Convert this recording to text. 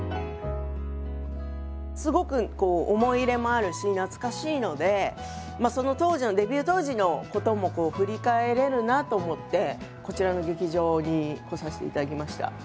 すごくこう思い入れもあるし懐かしいのでその当時のデビュー当時のことも振り返れるなあと思ってこちらの劇場に来させていただきました。